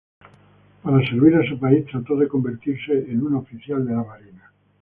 Para servir a su país trató de convertirse en un oficial de marina.